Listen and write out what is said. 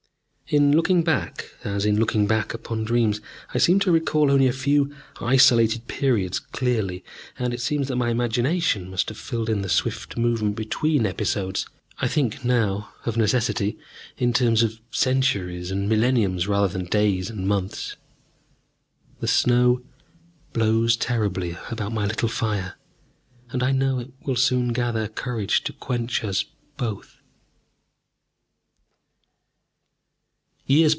In looking back, as in looking back upon dreams, I seem to recall only a few isolated periods clearly; and it seems that my imagination must have filled in the swift movement between episodes. I think now, of necessity, in terms of centuries and millenniums, rather than days and months.... The snow blows terribly about my little fire, and I know it will soon gather courage to quench us both